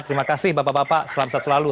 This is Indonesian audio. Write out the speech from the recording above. terima kasih bapak bapak selamat selalu